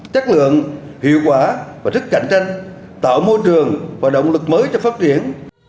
chất lượng hiệu quả và sức cạnh tranh tạo môi trường và động lực mới cho phát triển